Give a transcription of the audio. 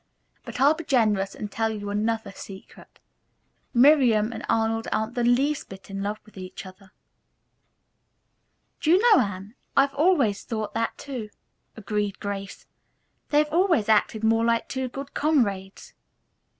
But I'll be generous and tell you another secret. Miriam and Arnold aren't the least bit in love with each other." "Do you know, Anne, I've always thought that, too," agreed Grace. "They have always acted more like two good comrades."